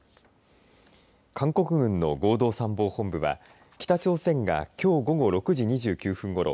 韓国軍の合同参謀本部は朝鮮がきょう午後６時２９分ごろ